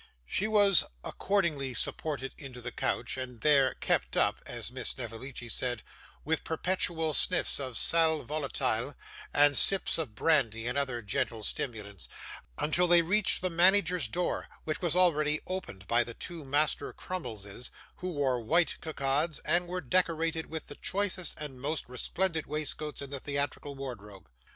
She was accordingly supported into the coach, and there 'kept up' (as Miss Snevellicci said) with perpetual sniffs of SAL VOLATILE and sips of brandy and other gentle stimulants, until they reached the manager's door, which was already opened by the two Master Crummleses, who wore white cockades, and were decorated with the choicest and most resplendent waistcoats in the theatrical wardrobe.